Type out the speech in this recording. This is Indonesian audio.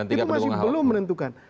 itu masih belum menentukan